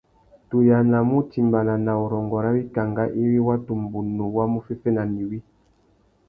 Tu yānamú utimbāna nà urrôngô râ wikangá iwí watu mbunu wá mú féffena nà iwí.